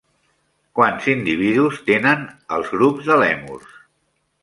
Quants individus tenen els grups de lèmurs?